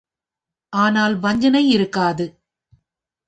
ஆனால் வஞ்சனை இருக்காது.